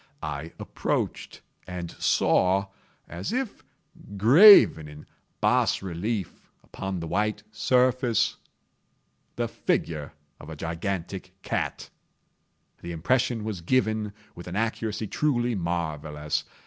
I approached and saw, as if graven in bas relief upon the white surface, the figure of a gigantic cat. The impression was given with an accuracy truly marvellous.